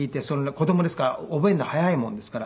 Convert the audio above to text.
子供ですから覚えるの早いもんですから。